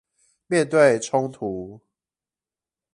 面對衝突